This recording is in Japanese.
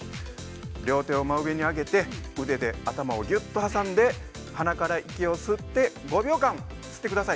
両手を真上に上げて、腕で頭をぎゅっと挟んで鼻から息を吸って、５秒吸ってください。